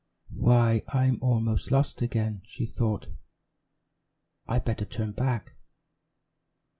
"Why, I'm almost lost again," she thought, "I better turn back."